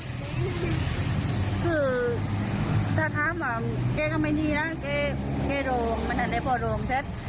คือท้านทำว่ามันก็ไปหนีหลังเก่ามันทำเรื้อปลาดอกเซท